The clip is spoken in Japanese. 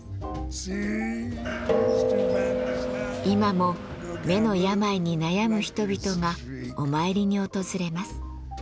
今も目の病に悩む人々がお参りに訪れます。